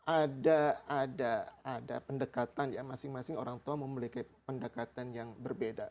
ada pendekatan ya masing masing orang tua memiliki pendekatan yang berbeda